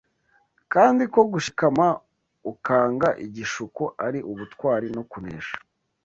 kandi ko gushikama, ukanga igishuko, ari ubutwari no kunesha.